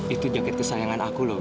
itu jaket kesayangan aku loh